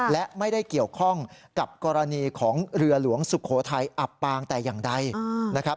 และไม่ได้เกี่ยวข้องกับกรณีของเรือหลวงสุโขทัยอับปางแต่อย่างใดนะครับ